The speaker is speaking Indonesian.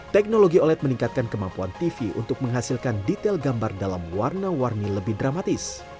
teknologi oled meningkatkan kemampuan tv untuk menghasilkan detail gambar dalam warna warni lebih dramatis